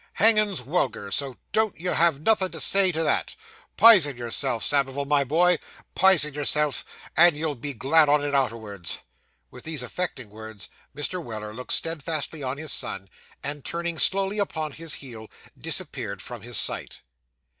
Hangin's wulgar, so don't you have nothin' to say to that. Pison yourself, Samivel, my boy, pison yourself, and you'll be glad on it arterwards.' With these affecting words, Mr. Weller looked steadfastly on his son, and turning slowly upon his heel, disappeared from his sight.